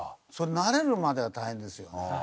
それ慣れるまでは大変ですよね。